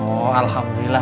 ya nostalgia mural tengah